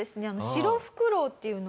シロフクロウっていうのが。